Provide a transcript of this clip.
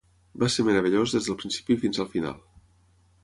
Va ser meravellós des del principi fins al final.